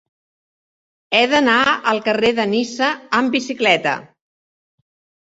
He d'anar al carrer de Niça amb bicicleta.